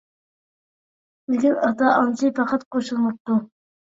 لېكىن ئاتا-ئانىسى پەقەت قوشۇلماپتۇ.